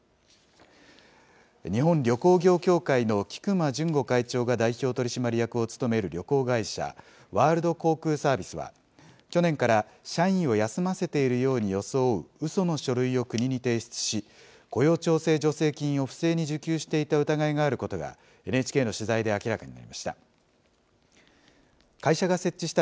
日本旅行業協会の菊間潤吾会長が代表取締役を務める旅行会社、ワールド航空サービスは、去年から社員を休ませているように装ううその書類を国に提出し、雇用調整助成金を不正に受給していた疑いがあることが、ＮＨＫの取材で明らかになりました。